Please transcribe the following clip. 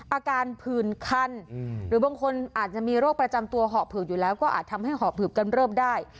อาการผื่นคันหรือบางคนอาจจะมีโรคประจำตัวหอบเผือกอยู่แล้วก็อาจทำให้หอบหืบกำเริบได้